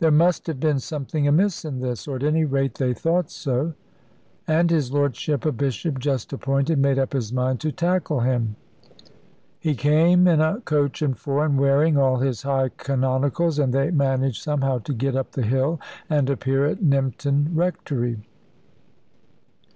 There must have been something amiss in this, or at any rate they thought so; and his lordship, a bishop just appointed, made up his mind to tackle him. He came in a coach and four, and wearing all his high canonicals, and they managed somehow to get up the hill, and appear at Nympton Rectory.